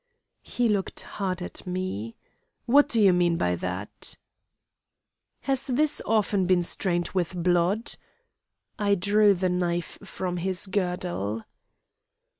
"He looked hard at me. 'What do you mean by that?' "'Has this often been stained with blood?' I drew the knife from his girdle.